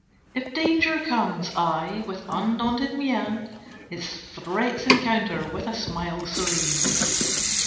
If danger comes, I, with undaunted mien, Its threats encounter with a smile serene.